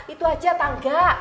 itu aja tangga